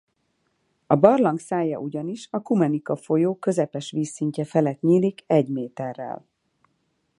A barlang szája ugyanis a Kumanica-folyó közepes vízszintje felett nyílik egy méterrel.